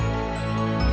enggak sih bapak